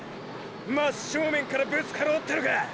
真っ正面からぶつかろうってのか！！